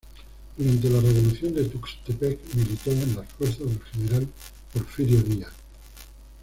Durante la Revolución de Tuxtepec militó en las fuerzas del general Porfirio Díaz.